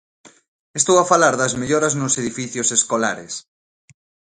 Estou a falar das melloras nos edificios escolares.